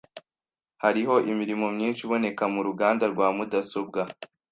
Hariho imirimo myinshi iboneka muruganda rwa mudasobwa.